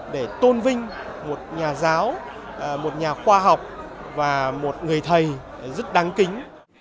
để tôn vinh một nhà giáo một nhà khoa học và một người thầy rất đáng kính